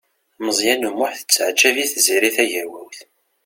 Meẓyan U Muḥ tettaɛǧab-it Tiziri Tagawawt.